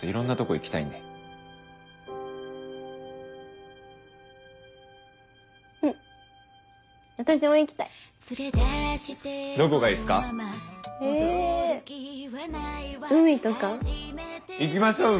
行きましょう海！